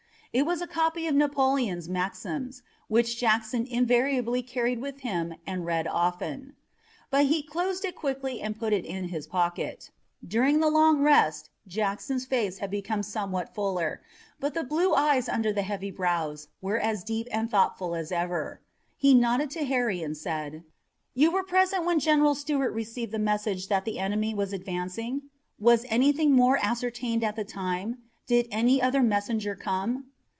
It was a copy of Napoleon's Maxims, which Jackson invariably carried with him and read often. But he closed it quickly and put it in his pocket. During the long rest Jackson's face had become somewhat fuller, but the blue eyes under the heavy brows were as deep and thoughtful as ever. He nodded to Harry and said: "You were present when General Stuart received the message that the enemy was advancing? Was anything more ascertained at the time? Did any other messenger come?"